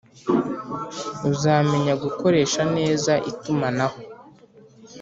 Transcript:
. Uzamenya gukoresha neza itumanaho